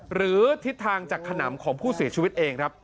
หรือทิศทางจากขนำของผู้เสียชีวิตเองครับ